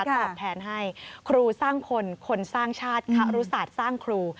ตอบแทนให้ครูสร้างคนคนสร้างชาติคารุศาสตร์สร้างครู